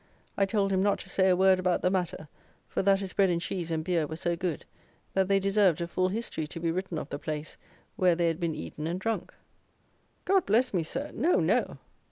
I told him not to say a word about the matter, for that his bread and cheese and beer were so good that they deserved a full history to be written of the place where they had been eaten and drunk. "God bless me, Sir, no, no!"